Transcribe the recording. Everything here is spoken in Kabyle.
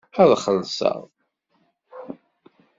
Ad xellṣeɣ.